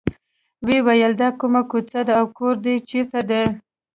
وویل دا کومه کوڅه ده او کور دې چېرته دی.